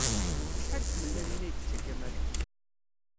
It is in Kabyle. Acḥal n tmellalin ay yečča Kamal?